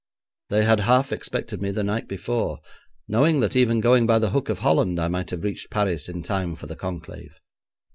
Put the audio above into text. They had half expected me the night before, knowing that even going by the Hook of Holland I might have reached Paris in time for the conclave.